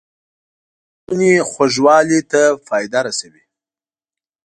انار د ستوني خوږوالي ته فایده رسوي.